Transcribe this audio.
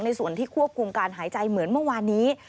ส่วนที่ควบคุมการหายใจเหมือนเมื่อวานนี้